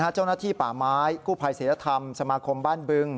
เจ้าหน้าที่ป่าไม้กู้ภัยศิลธรรมสมาคมบ้านบึง